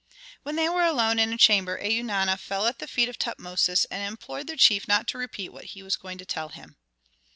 When they were alone in a chamber Eunana fell at the feet of Tutmosis and implored the chief not to repeat what he was going to tell him.